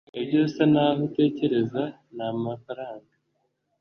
ibyo usa naho utekereza ni amafaranga